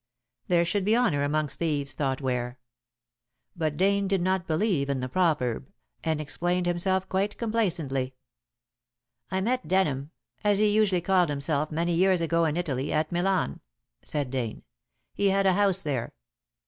There should be honor amongst thieves, thought Ware. But Dane did not believe in the proverb, and explained himself quite complacently. "I met Denham as he usually called himself many years ago in Italy at Milan," said Dane; "he had a house there.